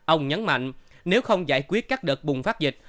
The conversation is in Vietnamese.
ông nhấn mạnh nếu không giải quyết các đợt bùng phát dịch